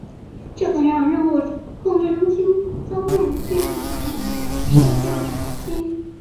这可让任务控制中心操控电视摄像机。